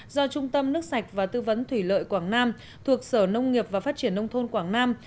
do trung tâm nước sạch và tư vấn thủy lợi quảng nam thuộc sở nông nghiệp và phát triển nông thôn quảng nam